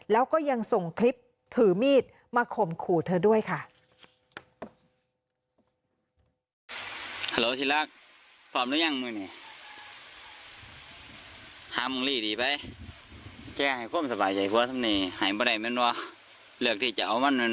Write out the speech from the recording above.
แล้วก็ยังส่งคลิปถือมีดมาข่มขู่เธอด้วยค่ะ